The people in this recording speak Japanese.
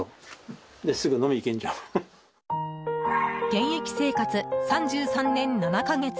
現役生活３３年７か月。